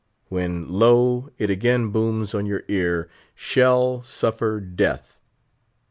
When, lo! it again booms on your ear—_shall suffer death!